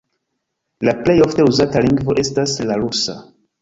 La plej ofte uzata lingvo estas la rusa.